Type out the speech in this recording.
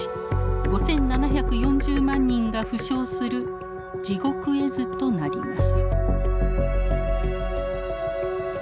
５，７４０万人が負傷する地獄絵図となります。